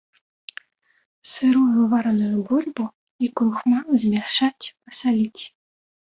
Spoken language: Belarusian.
Сырую, вараную бульбу і крухмал змяшаць, пасаліць.